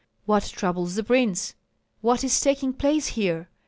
"What troubles the prince? what is taking place here?"